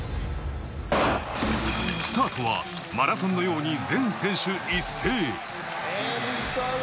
スタートはマラソンのように全選手一斉。